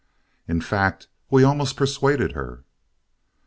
In fact, we almost persuaded her.